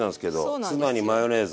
ツナにマヨネーズ。